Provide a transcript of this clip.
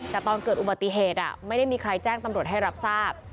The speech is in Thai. แต่ตอนเกิดอุบัติเหตุไม่ได้มีใครแจ้งตำรวจให้รับทราบ